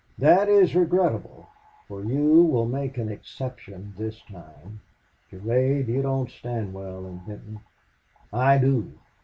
"That is regrettable, for you will make an exception this time... Durade, you don't stand well in Benton. I do."